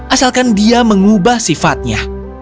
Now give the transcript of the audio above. asalkan dia mengubah sifatnya